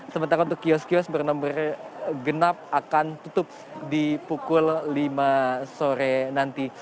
sementara untuk kios kios bernomor genap akan tutup di pukul lima sore nanti